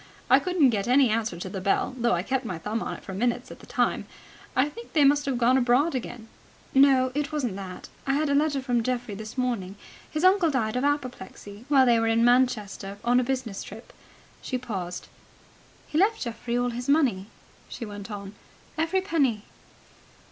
I couldn't get any answer to the bell, though I kept my thumb on it for minutes at a time. I think they must have gone abroad again." "No, it wasn't that. I had a letter from Geoffrey this morning. His uncle died of apoplexy, while they were in Manchester on a business trip." She paused. "He left Geoffrey all his money," she went on. "Every penny."